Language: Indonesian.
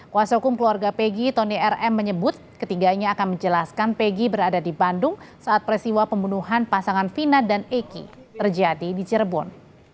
kuasa hukum keluarga pegi tony rm menyebut ketiganya akan menjelaskan pegi berada di bandung saat peristiwa pembunuhan pasangan fina dan eki terjadi di cirebon